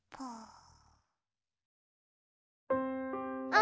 「あ！」